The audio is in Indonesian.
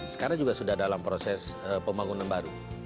sekarang juga sudah dalam proses pembangunan baru